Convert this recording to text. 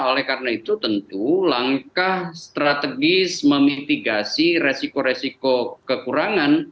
oleh karena itu tentu langkah strategis memitigasi resiko resiko kekurangan